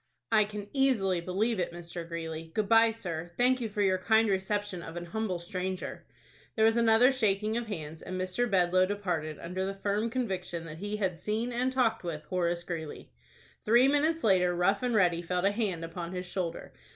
"I can easily believe it, Mr. Greeley. Good by, sir. Thank you for your kind reception of an humble stranger." There was another shaking of hands, and Mr. Bedloe departed under the firm conviction that he had seen and talked with Horace Greeley. Three minutes later, Rough and Ready felt a hand upon his shoulder.